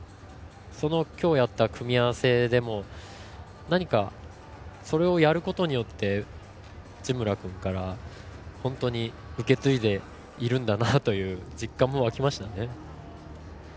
今日やった組み合わせでも何かそれをやることによって内村君から本当に受け継いでいるんだなという実感も湧きましたね。